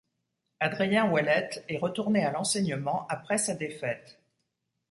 Adrien Ouellette est retourné à l'enseignement après sa défaite.